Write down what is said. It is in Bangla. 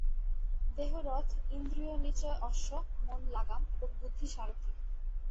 দেহ রথ, ইন্দ্রিয়নিচয় অশ্ব, মন লাগাম, এবং বুদ্ধি সারথি।